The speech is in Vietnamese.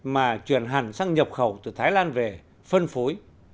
mà chuyển hẳn sang nhập khẩu từ thái lan về phân phối